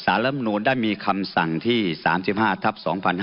สารำนวลได้มีคำสั่งที่๓๕ทัพ๒๕๖๒